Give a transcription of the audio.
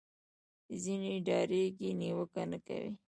ځینې ډارېږي نیوکه نه کوي